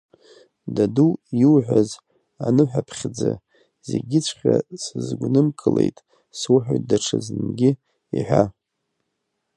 Даду, иуҳәаз аныҳәаԥхьӡы зегьыҵәҟьа сызгәнымкылеит, суҳәоит даҽазынгьы иҳәа!